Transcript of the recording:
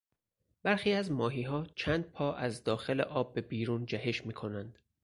برخی از ماهیها چند پا از داخل آب به بیرون جهش میکنند.